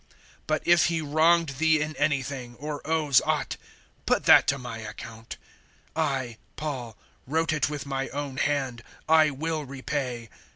(18)But if he wronged thee in any thing, or owes aught, put that to my account. (19)I, Paul, wrote it with my own hand, I will repay.